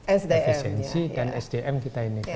efisiensi dan sdm kita ini